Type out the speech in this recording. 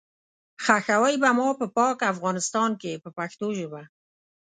ښخوئ به ما په پاک افغانستان کې په پښتو ژبه.